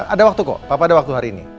ada waktu kok papa ada waktu hari ini